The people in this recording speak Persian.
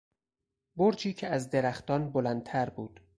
برجی که از درختان بلندتر بود